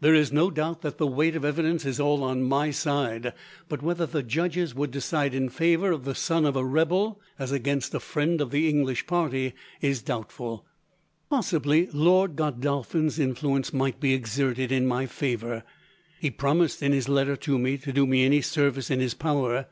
There is no doubt that the weight of evidence is all on my side, but whether the judges would decide in favour of the son of a rebel, as against a friend of the English party, is doubtful. Possibly Lord Godolphin's influence might be exerted in my favour. He promised in his letter to me to do me any service in his power.